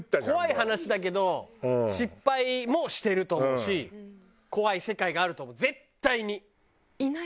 怖い話だけど失敗もしてると思うし怖い世界があると思う絶対に。